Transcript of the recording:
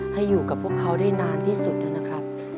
ให้กับพวกเขาได้นานที่สุดนะครับ